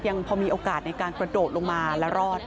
พอมีโอกาสในการกระโดดลงมาแล้วรอด